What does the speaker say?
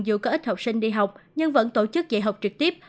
dù có ít học sinh đi học nhưng vẫn tổ chức dạy học trực tiếp